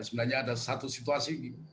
sebenarnya ada satu situasi